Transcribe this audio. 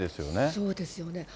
そうですよね。